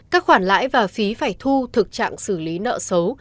các khoản lãi và phí phải thu thực trạng xử lý nợ xấu